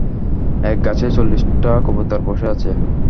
এক গাছে চল্লিশটা কবুতর বসে আছে।